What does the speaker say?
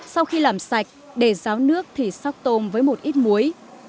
sau khi làm sạch để ráo nước thì sóc tôm với một ít muối